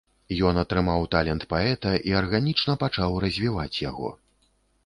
Ён атрымаў талент паэта і арганічна пачаў развіваць яго.